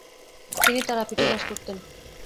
তিনি তারাপীঠে বাস করতেন।